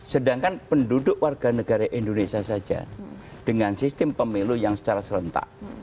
sedangkan penduduk warga negara indonesia saja dengan sistem pemilu yang secara serentak